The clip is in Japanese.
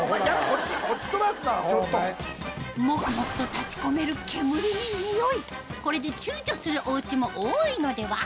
モクモクと立ち込める煙ににおいこれで躊躇するおうちも多いのでは？